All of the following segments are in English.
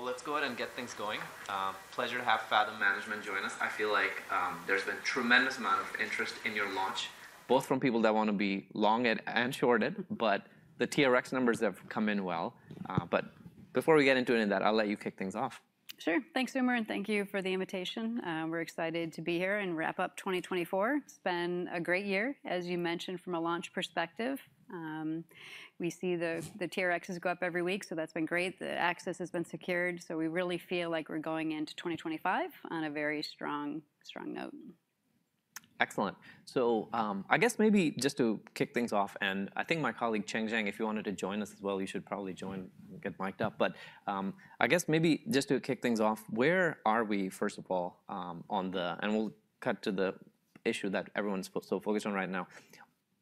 Let's go ahead and get things going. Pleasure to have Phathom Management join us. I feel like there's been a tremendous amount of interest in your launch, both from people that want to be long and short, but the TRx numbers have come in well. But before we get into it in that, I'll let you kick things off. Sure. Thanks, Umer, and thank you for the invitation. We're excited to be here and wrap up 2024. It's been a great year, as you mentioned, from a launch perspective. We see the TRXs go up every week, so that's been great. The access has been secured, so we really feel like we're going into 2025 on a very strong note. Excellent. So I guess maybe just to kick things off, and I think my colleague Chen Zhang, if you wanted to join us as well, you should probably join and get mic'd up. But I guess maybe just to kick things off, where are we, first of all, on the--and we'll cut to the issue that everyone's so focused on right now.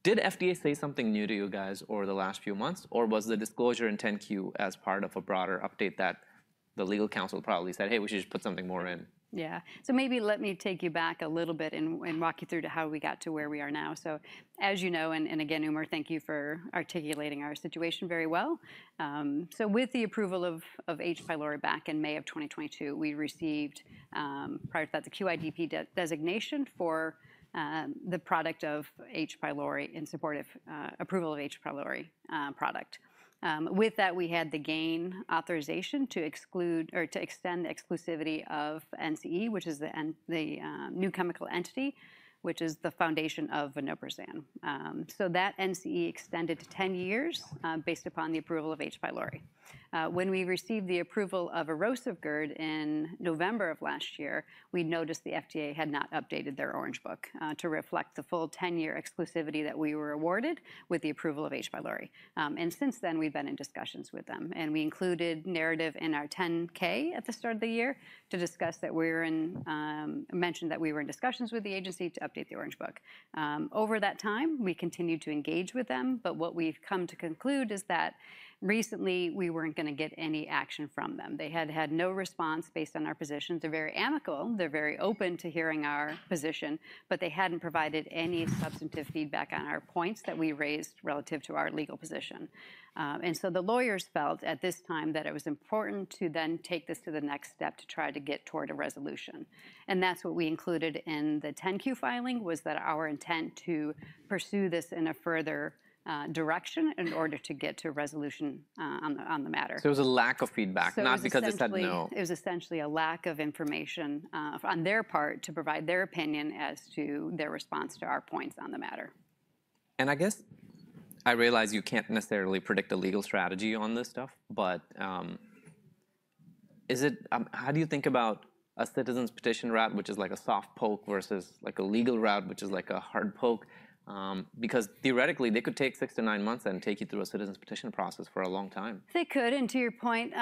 Did FDA say something new to you guys over the last few months, or was the disclosure in 10-Q as part of a broader update that the legal counsel probably said, "Hey, we should just put something more in"? Yeah. So maybe let me take you back a little bit and walk you through how we got to where we are now. So, as you know, and again, Umer, thank you for articulating our situation very well. So with the approval of H. pylori back in May of 2022, we received, prior to that, the QIDP designation for the product of H. pylori in support of approval of H. pylori product. With that, we had the GAIN authorization to extend the exclusivity of NCE, which is the new chemical entity, which is the foundation of vonoprazan. So that NCE extended to 10 years based upon the approval of H. pylori. When we received the approval of erosive GERD in November of last year, we noticed the FDA had not updated their Orange Book to reflect the full 10-year exclusivity that we were awarded with the approval of H. pylori. Since then, we've been in discussions with them. We included narrative in our 10-K at the start of the year to discuss that we were in discussions with the agency to update the Orange Book. Over that time, we continued to engage with them, but what we've come to conclude is that recently we weren't going to get any action from them. They had had no response based on our position. They're very amicable. They're very open to hearing our position, but they hadn't provided any substantive feedback on our points that we raised relative to our legal position. So the lawyers felt at this time that it was important to then take this to the next step to try to get toward a resolution. And that's what we included in the 10-Q filing, was that our intent to pursue this in a further direction in order to get to a resolution on the matter. So it was a lack of feedback, not because it said no. It was essentially a lack of information on their part to provide their opinion as to their response to our points on the matter. I guess I realize you can't necessarily predict a legal strategy on this stuff, but is it, how do you think about a Citizen Petition route, which is like a soft poke versus like a legal route, which is like a hard poke? Because theoretically, they could take six to nine months and take you through a Citizen Petition process for a long time. They could. And to your point,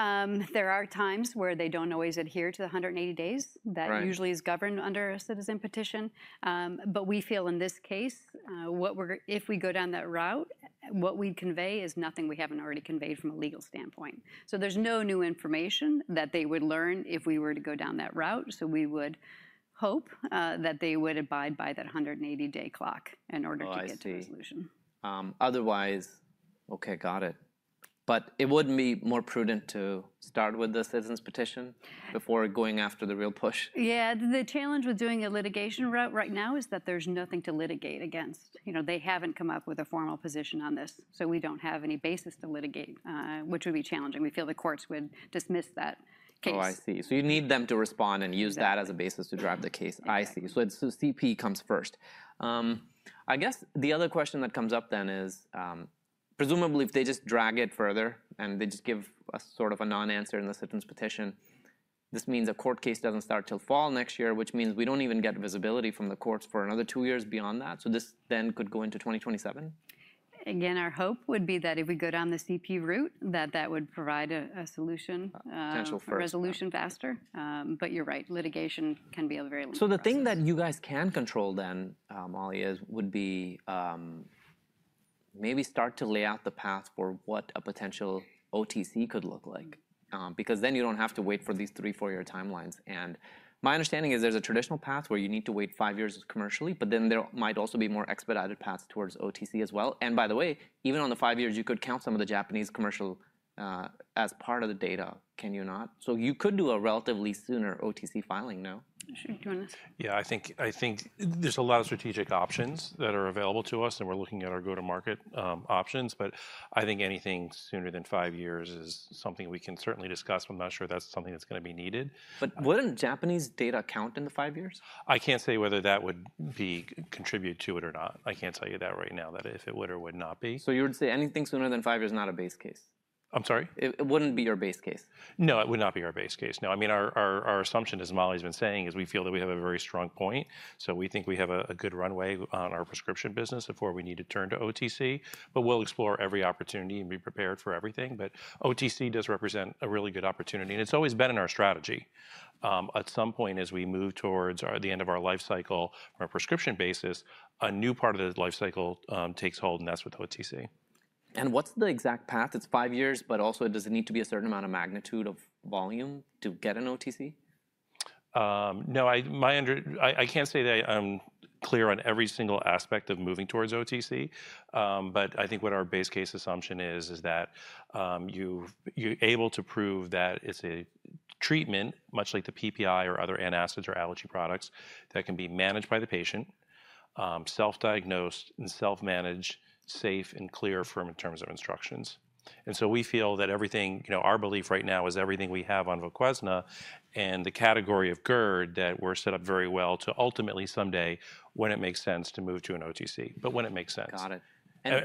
there are times where they don't always adhere to the 180 days that usually is governed under a citizen petition. But we feel in this case, if we go down that route, what we convey is nothing we haven't already conveyed from a legal standpoint. So there's no new information that they would learn if we were to go down that route. So we would hope that they would abide by that 180-day clock in order to get to a resolution. Otherwise, OK, got it, but it wouldn't be more prudent to start with the Citizen Petition before going after the real push? Yeah. The challenge with doing a litigation route right now is that there's nothing to litigate against. They haven't come up with a formal position on this, so we don't have any basis to litigate, which would be challenging. We feel the courts would dismiss that case. Oh, I see. So you need them to respond and use that as a basis to drive the case. I see. So CP comes first. I guess the other question that comes up then is, presumably, if they just drag it further and they just give sort of a non-answer in the Citizen Petition, this means a court case doesn't start till fall next year, which means we don't even get visibility from the courts for another two years beyond that. So this then could go into 2027? Again, our hope would be that if we go down the CP route, that would provide a solution. Potential first. A resolution faster, but you're right. Litigation can be a very long process. So the thing that you guys can control then, Molly, would be maybe start to lay out the path for what a potential OTC could look like. Because then you don't have to wait for these three-four-year timelines. And my understanding is there's a traditional path where you need to wait five years commercially, but then there might also be more expedited paths towards OTC as well. And by the way, even on the five years, you could count some of the Japanese commercial as part of the data, can you not? So you could do a relatively sooner OTC filing, no? Sure. Do you want to? Yeah. I think there's a lot of strategic options that are available to us, and we're looking at our go-to-market options. But I think anything sooner than five years is something we can certainly discuss. I'm not sure that's something that's going to be needed. But wouldn't Japanese data count in the five years? I can't say whether that would contribute to it or not. I can't tell you that right now, that if it would or would not be. So you would say anything sooner than five years, not a base case? I'm sorry? It wouldn't be your base case. No, it would not be our base case. No. I mean, our assumption, as Molly's been saying, is we feel that we have a very strong point. So we think we have a good runway on our prescription business before we need to turn to OTC. But we'll explore every opportunity and be prepared for everything. But OTC does represent a really good opportunity. And it's always been in our strategy. At some point, as we move towards the end of our life cycle on a prescription basis, a new part of the life cycle takes hold, and that's with OTC. What's the exact path? It's five years, but also, does it need to be a certain amount of magnitude of volume to get an OTC? No. I can't say that I'm clear on every single aspect of moving towards OTC. But I think what our base case assumption is, is that you're able to prove that it's a treatment, much like the PPI or other antacids or allergy products, that can be managed by the patient, self-diagnosed and self-managed, safe and clear from in terms of instructions. And so we feel that everything our belief right now is everything we have on VOQUEZNA and the category of GERD that we're set up very well to ultimately someday, when it makes sense, to move to an OTC. But when it makes sense. Got it.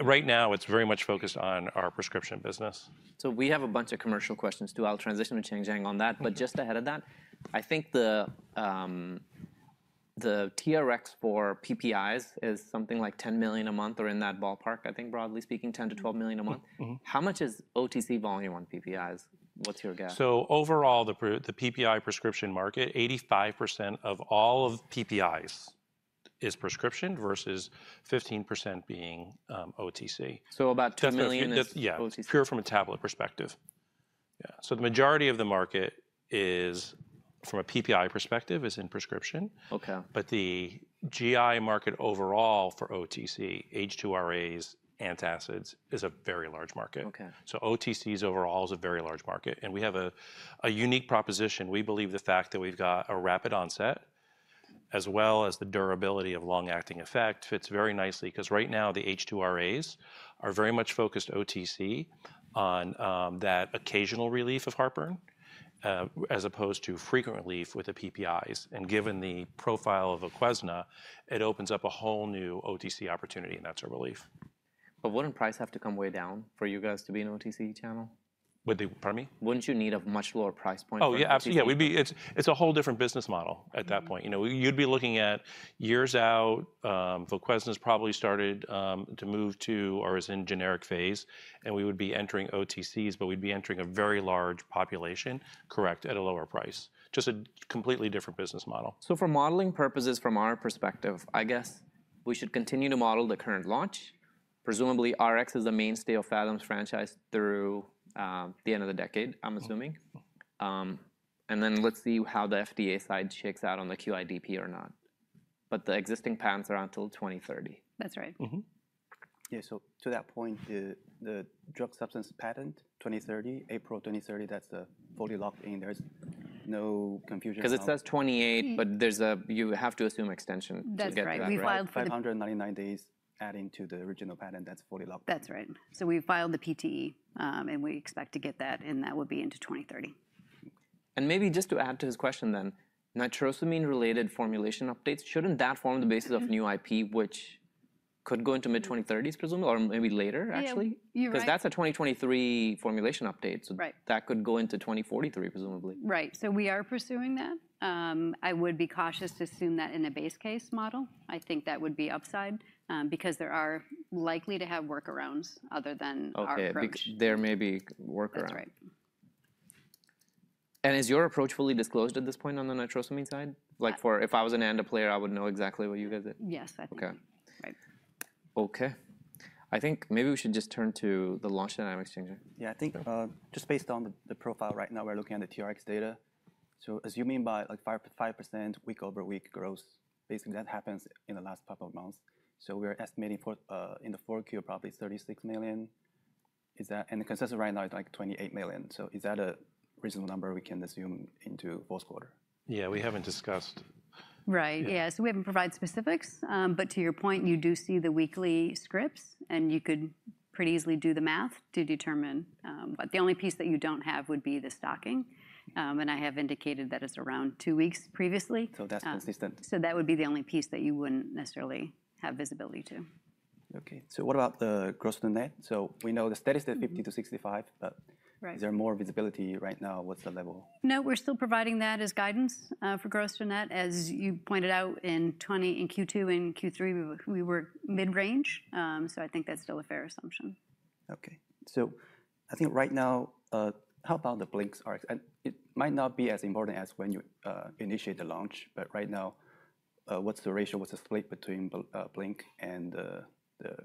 Right now, it's very much focused on our prescription business. So we have a bunch of commercial questions too. I'll transition to Chen Zhang on that. But just ahead of that, I think the TRX for PPIs is something like $10 million a month or in that ballpark, I think, broadly speaking, $10-$12 million a month. How much is OTC volume on PPIs? What's your guess? So overall, the PPI prescription market, 85% of all of PPIs is prescription versus 15% being OTC. So about $10 million is OTC? Yeah, pure from a tablet perspective. Yeah. The majority of the market from a PPI perspective is in prescription. But the GI market overall for OTC, H2RAs, antacids, is a very large market. OTCs overall is a very large market. We have a unique proposition. We believe the fact that we've got a rapid onset, as well as the durability of long-acting effect, fits very nicely. Because right now, the H2RAs are very much focused OTC on that occasional relief of heartburn, as opposed to frequent relief with the PPIs. Given the profile of VOQUEZNA, it opens up a whole new OTC opportunity, and that's a relief. But wouldn't price have to come way down for you guys to be an OTC channel? Pardon me? Wouldn't you need a much lower price point? Oh, yeah. Absolutely. Yeah. It's a whole different business model at that point. You'd be looking at years out. VOQUEZNA's probably started to move to or is in generic phase, and we would be entering OTCs, but we'd be entering a very large population, correct, at a lower price. Just a completely different business model. So for modeling purposes, from our perspective, I guess we should continue to model the current launch. Presumably, Rx is the mainstay of Phathom's franchise through the end of the decade, I'm assuming. And then let's see how the FDA side shakes out on the QIDP or not. But the existing patents are until 2030. That's right. Yeah. So to that point, the drug substance patent, 2030, April 2030, that's fully locked in. There's no confusion. Because it says 2028, but you have to assume extension to get that. That's right. We filed for. 599 days adding to the original patent. That's fully locked in. That's right. So we filed the PTE, and we expect to get that, and that would be into 2030. And maybe just to add to his question then, nitrosamine-related formulation updates, shouldn't that form the basis of new IP, which could go into mid-2030s, presumably, or maybe later, actually? Yeah. You're right. Because that's a 2023 formulation update. So that could go into 2043, presumably. Right, so we are pursuing that. I would be cautious to assume that in a base case model. I think that would be upside because there are likely to have workarounds other than our approach. OK. There may be workarounds. That's right. Is your approach fully disclosed at this point on the nitrosamine side? Like, if I was an ANDA player, I would know exactly what you guys did. Yes, I think so. Ok. Right. Ok. I think maybe we should just turn to the launch dynamics change. Yeah. I think just based on the profile right now, we're looking at the TRx data. So assuming 5% week over week growth, basically that happens in the last couple of months. So we're estimating in the fourth year probably $36 million. And the consensus right now is like $28 million. So is that a reasonable number we can assume into fourth quarter? Yeah. We haven't discussed. Right. Yeah. So we haven't provided specifics. But to your point, you do see the weekly scripts, and you could pretty easily do the math to determine. But the only piece that you don't have would be the stocking. And I have indicated that it's around two weeks previously. So that's consistent. So that would be the only piece that you wouldn't necessarily have visibility to. OK. So what about the gross-to-net? So we know the steady state is 50%-65%, but is there more visibility right now? What's the level? No. We're still providing that as guidance for gross to net. As you pointed out, in Q2 and Q3, we were mid-range. So I think that's still a fair assumption. OK. So I think right now, how about the Blink? It might not be as important as when you initiate the launch. But right now, what's the ratio? What's the split between Blink and the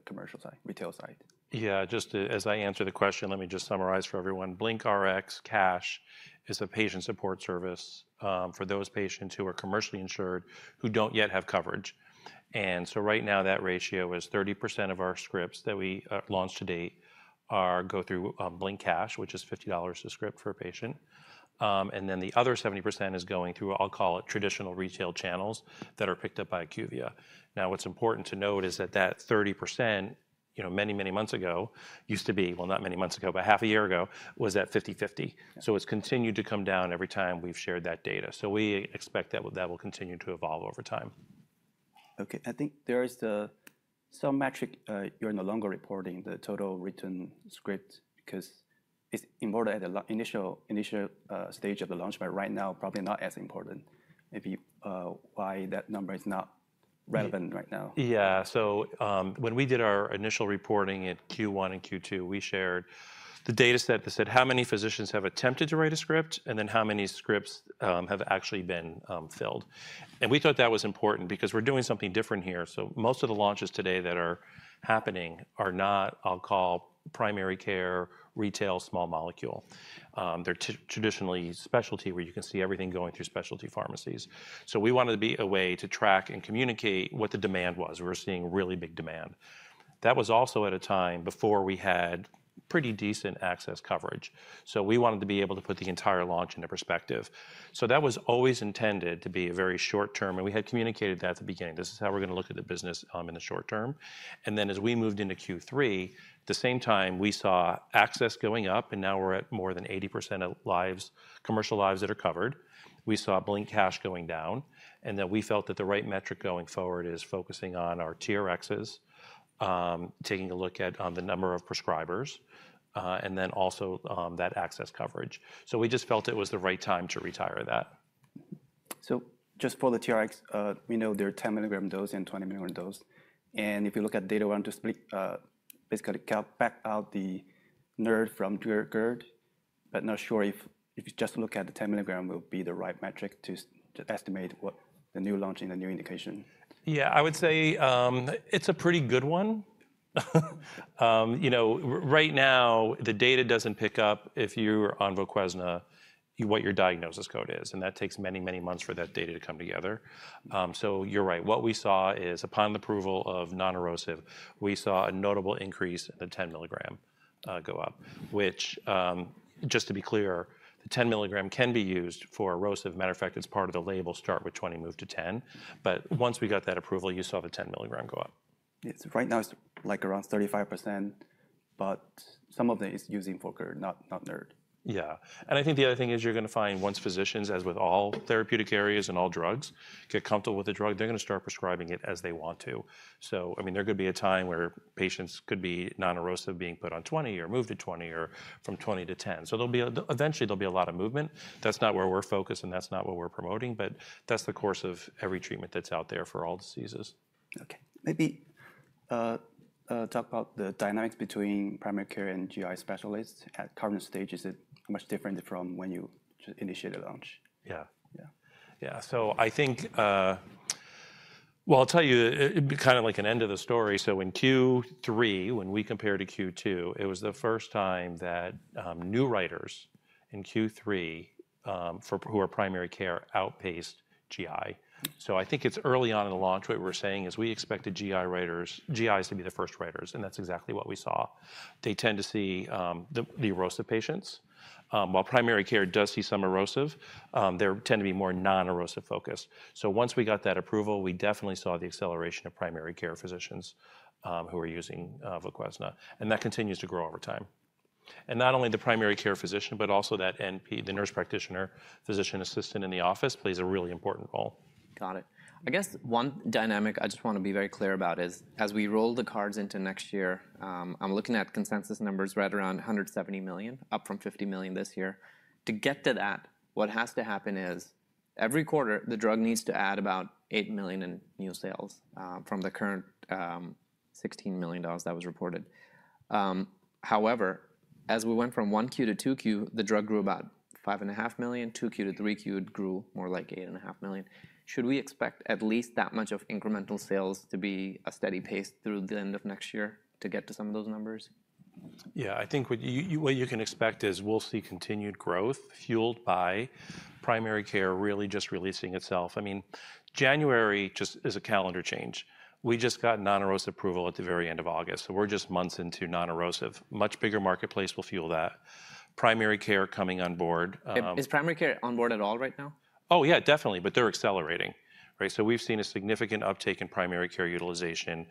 commercial side, retail side? Yeah. Just as I answer the question, let me just summarize for everyone. BlinkRx Cash is a patient support service for those patients who are commercially insured who don't yet have coverage. And so right now, that ratio is 30% of our scripts that we launched to date go through BlinkRx cash, which is $50 a script for a patient. And then the other 70% is going through, I'll call it, traditional retail channels that are picked up by IQVIA. Now, what's important to note is that that 30% many, many months ago used to be well, not many months ago, but half a year ago was at 50/50. So it's continued to come down every time we've shared that data. So we expect that will continue to evolve over time. OK. I think there is some metric you're no longer reporting, the total written scripts, because it's important at the initial stage of the launch. But right now, probably not as important. Maybe why that number is not relevant right now. Yeah. So when we did our initial reporting at Q1 and Q2, we shared the data set that said how many physicians have attempted to write a script and then how many scripts have actually been filled, and we thought that was important because we're doing something different here. So most of the launches today that are happening are not, I'll call, primary care, retail, small molecule. They're traditionally specialty, where you can see everything going through specialty pharmacies. So we wanted to be a way to track and communicate what the demand was. We were seeing really big demand. That was also at a time before we had pretty decent access coverage. So we wanted to be able to put the entire launch into perspective. So that was always intended to be a very short term, and we had communicated that at the beginning. This is how we're going to look at the business in the short term, and then as we moved into Q3, at the same time, we saw access going up, and now we're at more than 80% of commercial lives that are covered. We saw Blink cash going down, and then we felt that the right metric going forward is focusing on our TRXs, taking a look at the number of prescribers, and then also that access coverage, so we just felt it was the right time to retire that. Just for the TRx, we know they're 10 milligram dose and 20 milligram dose. And if you look at data, we're going to basically cut back out the NERD from GERD. But not sure if just looking at the 10 milligram will be the right metric to estimate the new launch and the new indication. Yeah. I would say it's a pretty good one. Right now, the data doesn't pick up if you're on VOQUEZNA what your diagnosis code is, and that takes many, many months for that data to come together, so you're right. What we saw is upon approval of non-erosive, we saw a notable increase in the 10 milligram go up, which, just to be clear, the 10 milligram can be used for erosive. Matter of fact, it's part of the label, start with 20, move to 10, but once we got that approval, you saw the 10 milligram go up. Right now, it's like around 35%. But some of it is using for GERD, not NERD? Yeah. And I think the other thing is you're going to find once physicians, as with all therapeutic areas and all drugs, get comfortable with the drug, they're going to start prescribing it as they want to. So I mean, there could be a time where patients could be non-erosive being put on 20 or moved to 20 or from 20 to 10. So eventually, there'll be a lot of movement. That's not where we're focused, and that's not what we're promoting. But that's the course of every treatment that's out there for all diseases. OK. Maybe talk about the dynamics between primary care and GI specialists. At current stage, is it much different from when you initiated launch? Yeah. Yeah. Yeah. So I think, well, I'll tell you, kind of like an end of the story. So in Q3, when we compared to Q2, it was the first time that new writers in Q3 who are primary care outpaced GI. So I think it's early on in the launch. What we were saying is we expected GIs to be the first writers. And that's exactly what we saw. They tend to see the erosive patients. While primary care does see some erosive, they tend to be more non-erosive focused. So once we got that approval, we definitely saw the acceleration of primary care physicians who are using VOQUEZNA. And that continues to grow over time. And not only the primary care physician, but also that NP, the nurse practitioner, physician assistant in the office plays a really important role. Got it. I guess one dynamic I just want to be very clear about is, as we roll the cards into next year, I'm looking at consensus numbers right around $170 million, up from $50 million this year. To get to that, what has to happen is every quarter, the drug needs to add about $8 million in new sales from the current $16 million that was reported. However, as we went from 1Q to 2Q, the drug grew about $5.5 million. 2Q to 3Q, it grew more like $8.5 million. Should we expect at least that much of incremental sales to be a steady pace through the end of next year to get to some of those numbers? Yeah. I think what you can expect is we'll see continued growth fueled by primary care really just releasing itself. I mean, January just is a calendar change. We just got non-erosive approval at the very end of August. So we're just months into non-erosive. Much bigger marketplace will fuel that. Primary care coming on board. Is primary care on board at all right now? Oh, yeah, definitely. But they're accelerating. So we've seen a significant uptake in primary care utilization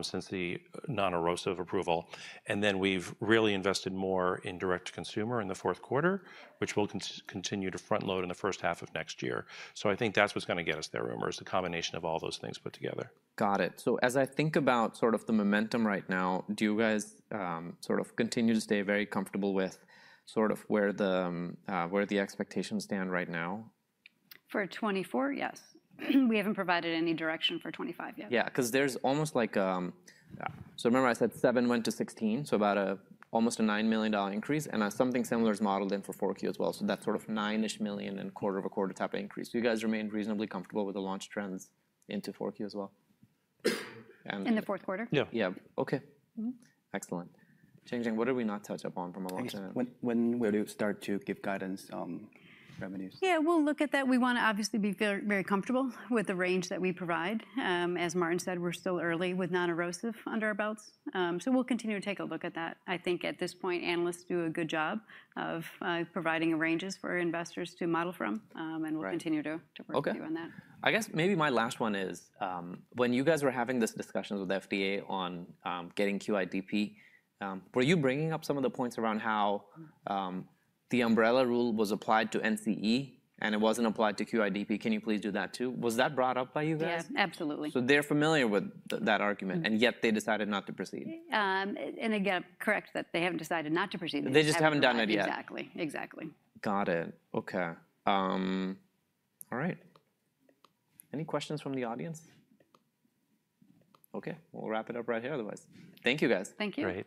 since the non-erosive approval. And then we've really invested more in direct to consumer in the fourth quarter, which we'll continue to front load in the first half of next year. So I think that's what's going to get us there, the combination of all those things put together. Got it. So as I think about sort of the momentum right now, do you guys sort of continue to stay very comfortable with sort of where the expectations stand right now? For 2024, yes. We haven't provided any direction for 2025 yet. Yeah. Because there's almost like so remember, I said $7 went to $16, so about almost a $9 million increase. And something similar is modeled in for 4Q as well. So that's sort of $9-ish million and quarter over quarter type of increase. Do you guys remain reasonably comfortable with the launch trends into 4Q as well? In the fourth quarter? Yeah. Yeah. OK. Excellent. Chen Zhang, what did we not touch upon from a launch dynamic? When will you start to give guidance on revenues? Yeah. We'll look at that. We want to obviously be very comfortable with the range that we provide. As Martin said, we're still early with non-erosive under our belts. So we'll continue to take a look at that. I think at this point, analysts do a good job of providing ranges for investors to model from. And we'll continue to work with you on that. I guess maybe my last one is, when you guys were having these discussions with the FDA on getting QIDP, were you bringing up some of the points around how the umbrella rule was applied to NCE and it wasn't applied to QIDP? Can you please do that too? Was that brought up by you guys? Yeah. Absolutely. So they're familiar with that argument, and yet they decided not to proceed. Again, correct that they haven't decided not to proceed. They just haven't done it yet. Exactly. Exactly. Got it. OK. All right. Any questions from the audience? OK. We'll wrap it up right here, otherwise. Thank you, guys. Thank you.